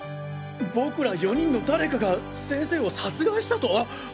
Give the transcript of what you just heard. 僕ら４人の誰かが先生を殺害したと！？